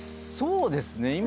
そうですね。